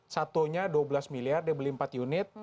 satunya dua belas miliar dia beli empat unit